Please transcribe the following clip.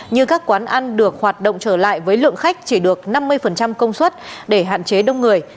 như các quán ăn được hoạt động trở lại với lượng khách chỉ được năm mươi công suất để hạn chế đông người